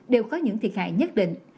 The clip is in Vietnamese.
đều có những thiệt hại nhất định